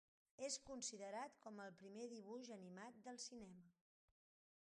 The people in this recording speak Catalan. És considerat com el primer dibuix animat del cinema.